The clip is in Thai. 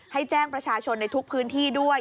ให้แจ้งประชาชนในทุกพื้นที่ด้วย